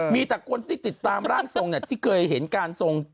มีแต่คนที่ติดตามร่างทรงที่เคยเห็นการทรง